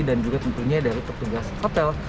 dan juga tentunya dari tugas hotel